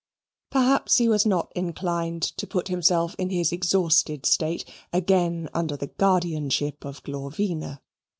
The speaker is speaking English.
Perhaps he was not inclined to put himself in his exhausted state again under the guardianship of Glorvina.